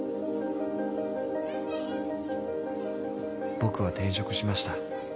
［僕は転職しました］